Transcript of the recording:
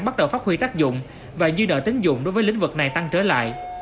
bắt đầu phát huy tác dụng và dư nợ tính dụng đối với lĩnh vực này tăng trở lại